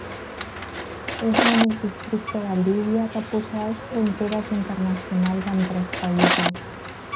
És l'únic districte de Líbia que posseeix fronteres internacionals amb tres països.